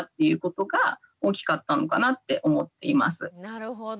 なるほど。